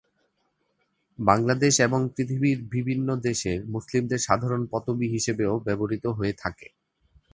বাংলাদেশ এবং পৃথিবীর বিভিন্ন দেশের মুসলিমদের সাধারণ পদবি হিসেবে ও ব্যবহৃত হয়ে থাকে।